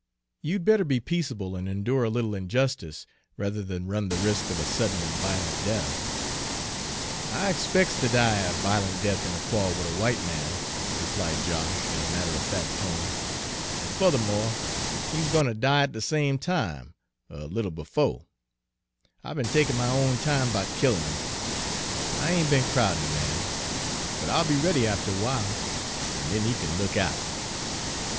You'd better be peaceable and endure a little injustice, rather than run the risk of a sudden and violent death." "I expec's ter die a vi'lent death in a quarrel wid a w'ite man," replied Josh, in a matter of fact tone, "an' fu'thermo', he's gwine ter die at the same time, er a little befo'. I be'n takin' my own time 'bout killin' 'im; I ain' be'n crowdin' de man, but I'll be ready after a w'ile, an' den he kin look out!"